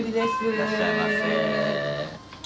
いらっしゃいませ。